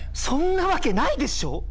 そんなわけないでしょ！